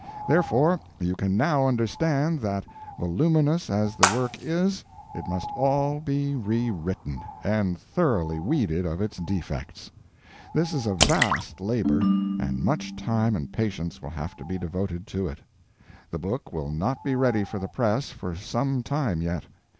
Therefore, you can now understand that, voluminous as the work is, it must all be re written, and thoroughly weeded of its defects. This is a vast labor, and much time and patience will have to be devoted to it. The book will not be ready for the press for some time yet.